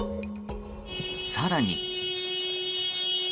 更に。